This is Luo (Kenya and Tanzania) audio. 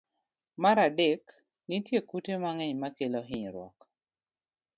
Mar adek, nitie kute mang'eny makelo hinyruok.